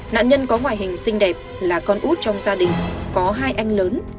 nạn nhân có ngoại hình xinh đẹp là con út trong gia đình có hai anh lớn